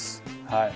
はい。